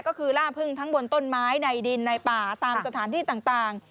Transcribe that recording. ก็คือล่าพึ่งทั้งบนต้นไม้ในดินในป่า